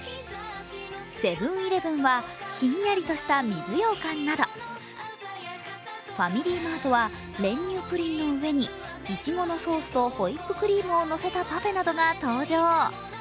セブン−イレブンは、ひんやりとした水ようかんなど、ファミリーマートは練乳プリンの上にいちごのソースとホイップクリームをのせたパフェなどが登場。